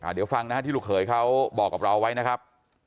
เดี๋ยวฟังนะฮะที่ลูกเขยเขาบอกกับเราไว้นะครับ